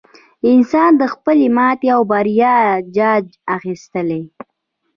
انسان د خپلې ماتې او بریا جاج اخیستلی.